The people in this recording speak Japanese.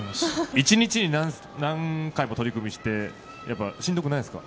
一日に何回も取組してしんどくないですか？